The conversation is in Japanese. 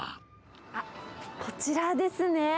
あっ、こちらですね。